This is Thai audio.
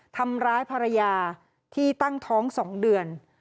ทำร้ายภรรยาที่ตั้งท้อง๒เดือน